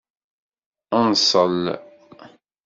Nṣel.